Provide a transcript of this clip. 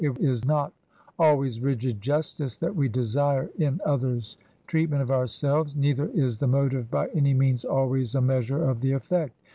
It is not always rigid justice that we desire in other's treatment of ourselves, neither is the motive by any means always a measure of the effect.